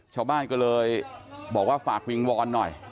ชาวบ้านก็เลยบอกว่าฝากวิงวอนหน่อย